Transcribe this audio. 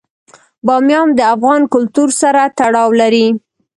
بامیان د افغان کلتور سره تړاو لري.